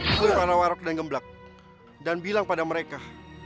aku berpaham warog dan gemblak dan bilang pada mereka